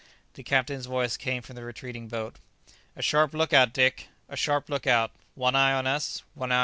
The captain's voice came from the retreating boat, "A sharp look out, Dick; a sharp look out; one eye on us, one on the ship!"